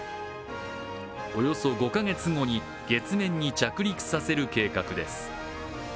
およそ５か月後に月面に着陸させる計画です。